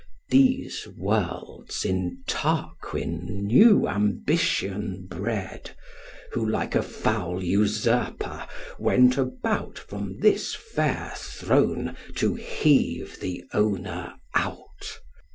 These worlds in Tarquin new ambition bred; Who, like a foul usurper, went about From this fair throne to heave the owner out.